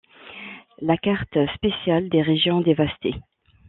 La carte spéciale des régions dévastées.